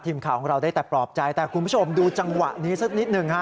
ทีมข่าวของเราได้แต่ปลอบใจแต่คุณผู้ชมดูจังหวะนี้สักนิดหนึ่งฮะ